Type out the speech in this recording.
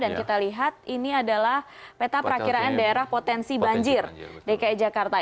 dan kita lihat ini adalah peta perakiran daerah potensi banjir dki jakarta